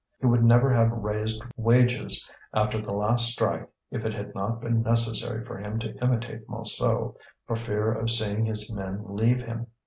He would never have raised wages after the last strike if it had not been necessary for him to imitate Montsou, for fear of seeing his men leave him.